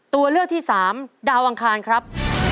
ตัวเลือกที่สามดาวอังคารครับ